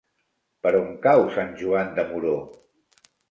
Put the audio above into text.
Per on cau Sant Joan de Moró?